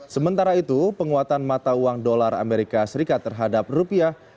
sementara itu penguatan mata uang dolar amerika serikat terhadap rupiah